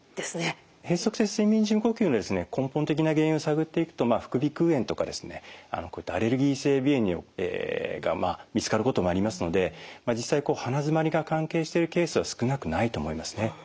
閉塞性睡眠時無呼吸の根本的な原因を探っていくと副鼻腔炎とかこういったアレルギー性鼻炎が見つかることもありますので実際鼻づまりが関係しているケースは少なくないと思いますね。